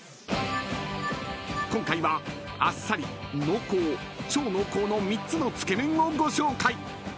［今回はあっさり・濃厚・超濃厚の３つのつけ麺をご紹介］